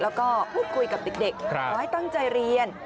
แล้วก็พูดคุยกับเด็กขอให้ตั้งใจเรียน